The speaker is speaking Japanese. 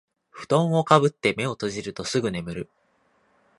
ふとんをかぶって目を閉じるとすぐ眠る